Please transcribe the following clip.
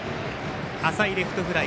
浅いレフトフライ。